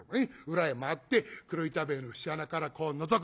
裏へ回って黒板塀の節穴からこうのぞく。